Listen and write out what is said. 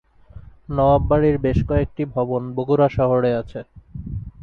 নওয়াব বাড়ীর বেশ কয়েকটি ভবন বগুড়া শহরে আছে।